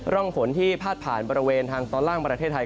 ร่องฝนที่พาดผ่านบริเวณทางตอนล่างประเทศไทย